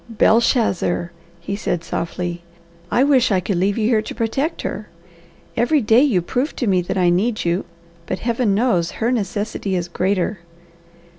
"Belshazzar," he said softly, "I wish I could leave you to protect her. Every day you prove to me that I need you, but Heaven knows her necessity is greater.